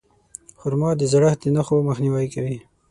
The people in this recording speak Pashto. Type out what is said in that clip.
خرما د زړښت د نښو مخنیوی کوي.